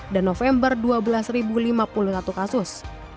dan november dua belas lima puluh satu kasus